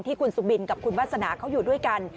ที่คุณสุบินกับคุณวาสนาเขาอยู่ด้วยกัน